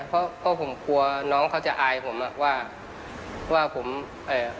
เพราะเพราะผมกลัวน้องเขาจะอายผมอ่ะว่าว่าผมเอ่อ